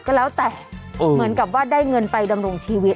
ก็แล้วแต่เหมือนกับว่าได้เงินไปดำรงชีวิต